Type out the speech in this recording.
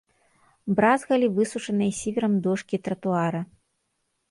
Бразгалі высушаныя сіверам дошкі тратуара.